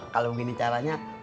kalau begini caranya